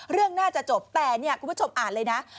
เรื่องน่าจะจบแต่เนี่ยคุณผู้ชมอ่านเลยนะ